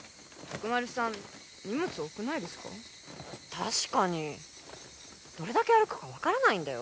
確かにどれだけ歩くか分からないんだよ？